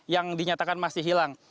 yang dinyatakan masih hilang